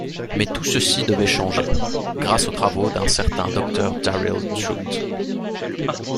Mais tout ceci devait changer, grâce aux travaux d'un certain Docteur Darrill Trout.